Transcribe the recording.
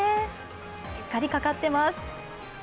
しっかりかかってます。